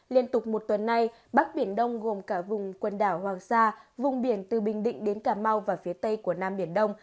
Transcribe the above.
liên tục một tuần nay bắc biển đông gồm cả vùng quần đảo hoàng sa vùng biển từ bình định đến cà mau và phía tây của nam biển đông